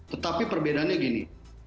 tetapi perbedaannya gini